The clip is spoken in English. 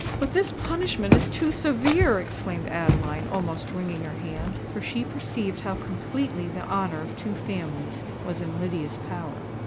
"But this punishment is too severe!" exclaimed Adeline, almost wringing her hands; for she perceived how completely the honour of two families was in Lydia's power.